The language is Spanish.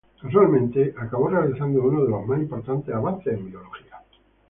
Casualmente, acabó realizando uno de los más importantes avances en Biología.